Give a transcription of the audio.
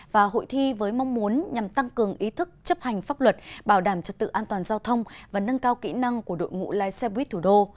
và hội thi với mong muốn nhằm tăng cường ý thức chấp hành pháp luật bảo đảm trật tự an toàn giao thông và nâng cao kỹ năng của đội ngũ lái xe buýt thủ đô